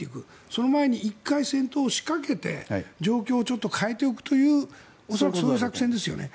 その前に１回戦闘を仕掛けて状況を変えていくというそういう作戦ですよね。